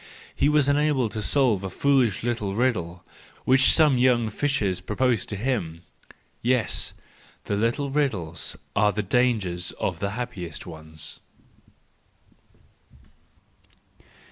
He was unable to solve a foolish little riddle which some young fishers proposed to him! Yes, the little riddles are the dangers of the happiest ones